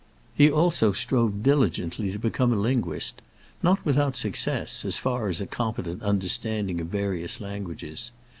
He strove also diligently to become a linguist not without success, as far as a competent understanding of various languages.